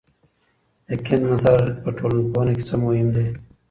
د کنت نظر په ټولنپوهنه کې څه مهم دی؟